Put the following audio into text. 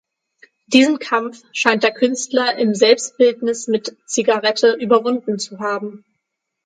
Diesen Kampf scheint der Künstler im "Selbstbildnis mit Zigarette" überwunden zu haben.